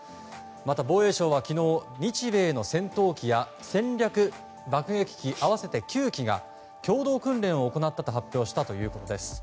また、防衛省は昨日日米の戦闘機や戦略爆撃機合わせて９機が共同訓練を行ったと発表したということです。